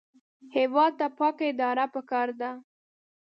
هېواد ته پاکه اداره پکار ده